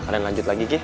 kalian lanjut lagi kiki